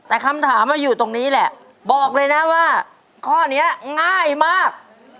แต่คำถามอยู่ตรงนี้แหละบอกเลยนะว่าข้อนี้ง่ายมาก